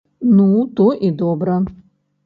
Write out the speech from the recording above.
Ну, то і добра.